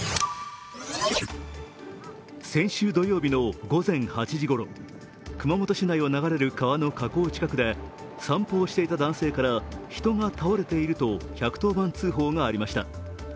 先週土曜日の午前８時ごろ、熊本市内を流れる川の河口近くで散歩をしていた男性から人が倒れていると１１０番通報がありました。